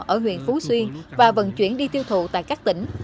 ở huyện phú xuyên và vận chuyển đi tiêu thụ tại các tỉnh